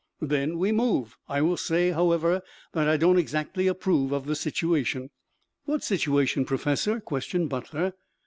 "Then we move. I will say, however, that I don't exactly approve of the situation." "What situation, Professor?" questioned Butler.